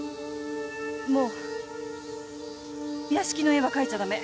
もう屋敷の絵は描いちゃ駄目。